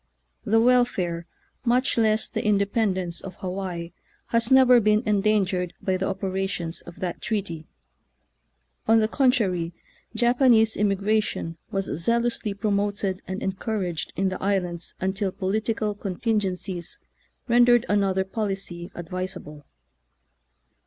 The welfare, much less the inde pendence, of Hawaii has never been en dangered by the operations of that treaty. On the contrary, Japanese immigration was zealously promoted and encouraged in the islands until political contingen cies rendered another policy advisable.